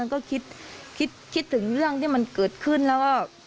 ก็คิดคิดถึงเรื่องที่มันเกิดขึ้นแล้วก็